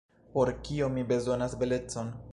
Por kio mi bezonas belecon?